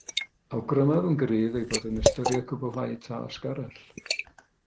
Awgrymaf yn gryf ei bod yn ystyried cwblhau tasg arall